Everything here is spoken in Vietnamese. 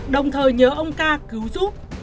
đồng thời nhớ ông ca cứu giúp